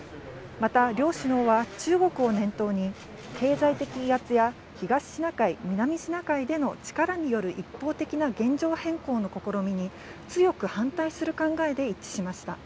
また両首脳は中国を念頭に経済的威圧や東シナ海、南シナ海での力による一方的な現状変更の試みに、強く反対する考えで一致しました。